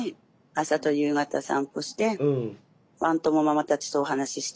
朝と夕方散歩してワン友ママたちとお話しして。